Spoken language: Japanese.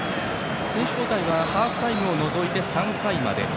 選手交代はハーフタイムを除き３回まで。